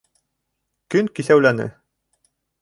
Көн кисәүләне.